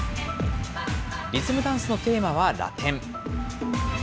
リズムダンスのテーマは、ラテン。